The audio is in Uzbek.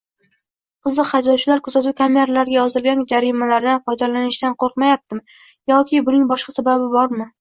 Qiziq, haydovchilar kuzatuv kameralariga yozilgan jarimalardan foydalanishdan qo'rqmayaptimi yoki buning boshqa sababi bormi?